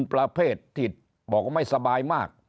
ประเภทที่บอกว่าไม่สบายมาก